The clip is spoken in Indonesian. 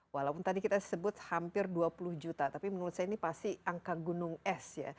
walaupun tadi kita sebut hampir dua puluh juta tapi menurut saya ini pasti angka gunung es ya